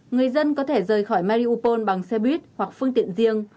người dân có thể rời khỏi maliupol bằng xe buýt hoặc phương tiện riêng